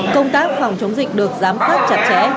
công tác phòng chống dịch được giám sát chặt chẽ